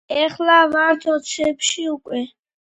ეხლა ვართ ოცებში უკვე.